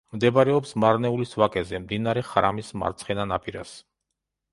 მდებარეობს მარნეულის ვაკეზე, მდინარე ხრამის მარცხენა ნაპირას.